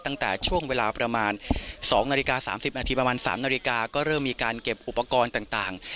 ตั้งแต่ช่วงเวลาประมาณ๒นาฬิกา๓๐นาทีประมาณ๓นาฬิกาก็เริ่มมีการเก็บอุปกรณ์ต่าง